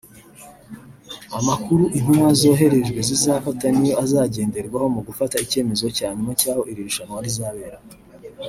Amakuru intumwa zoherejwe zizafata niyo azagenderwaho mu gufata icyemezo cya nyuma cy’aho iri rushanwa rizabera